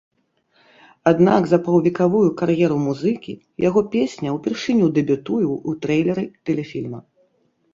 Аднак за паўвекавую кар'еру музыкі яго песня ўпершыню дэбютуе ў трэйлеры тэлефільма.